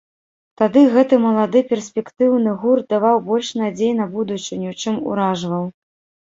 Тады гэты малады, перспектыўны гурт даваў больш надзей на будучыню, чым уражваў.